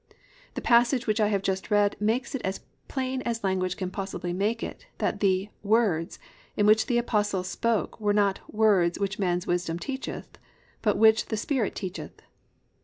The passage which I have just read makes it as plain as language can possibly make it that the "words" in which the Apostle spoke were not "words which man's wisdom teacheth, but which the Spirit teacheth."